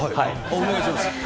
お願いします。